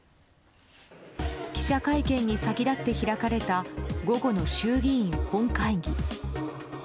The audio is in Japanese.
記者会見に先立って開かれた午後の衆議院本会議。